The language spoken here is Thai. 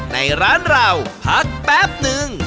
ในร้านเราพักแป๊บนึง